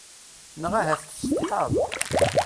Neɣ ahat tsetḥaḍ.